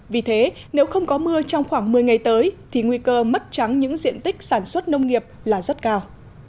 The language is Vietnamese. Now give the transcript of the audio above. vì thế nếu không có mưa trong khoảng một mươi ngày tới thì nguy cơ mất trắng những diện tích sản xuất nông nghiệp là rất cao